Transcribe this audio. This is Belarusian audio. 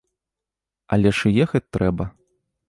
Але ж і ехаць трэба.